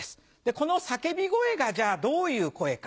この叫び声がどういう声か？